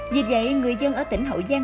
vì vậy người dân ở tỉnh hậu giang